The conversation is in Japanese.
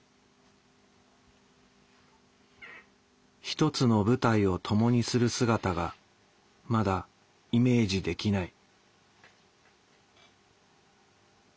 一つの舞台を共にする姿がまだイメージできない。